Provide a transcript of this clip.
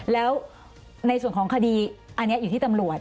แล้วในส่วนของคดีอันนี้อยู่ที่ตำรวจ